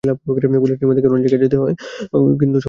পুলিশের ডিমান্ড অনেক জায়গায় থাকে, কিন্তু সমন্বয় করে কাজ করতে হয়।